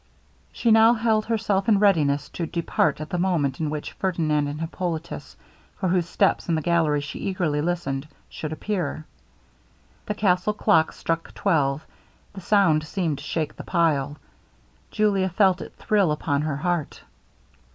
She now held herself in readiness to depart at the moment in which Ferdinand and Hippolitus, for whose steps in the gallery she eagerly listened, should appear. The castle clock struck twelve. The sound seemed to shake the pile. Julia felt it thrill upon her heart.